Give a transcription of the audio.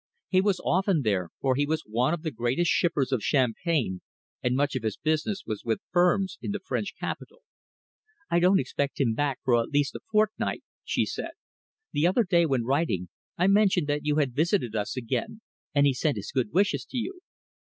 He was often there, for he was one of the greatest shippers of champagne, and much of his business was with firms in the French capital. "I don't expect him back for at least a fortnight," she said. "The other day, when writing, I mentioned that you had visited us again and he sent his good wishes to you."